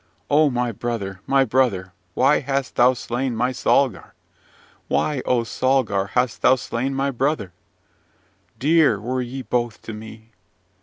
O my brother! my brother! why hast thou slain my Salgar! Why, O Salgar, hast thou slain my brother! Dear were ye both to me!